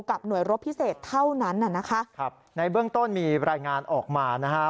หน่วยรบพิเศษเท่านั้นน่ะนะคะครับในเบื้องต้นมีรายงานออกมานะฮะ